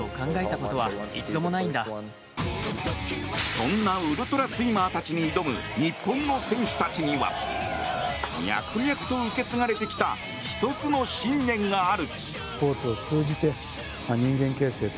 そんなウルトラスイマーたちに挑む日本の選手たちには脈々と受け継がれてきた１つの信念がある。